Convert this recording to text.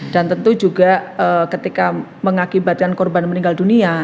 dan tentu juga ketika mengakibatkan korban meninggal dunia